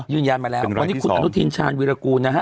ยืนยันมาแล้ววันนี้คุณอนุทินชาญวิรากูลนะฮะ